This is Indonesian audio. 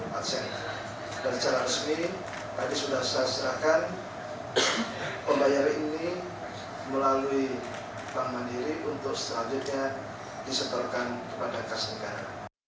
pembayaran ini melalui bank mandiri untuk selanjutnya disertorkan kepada kas negara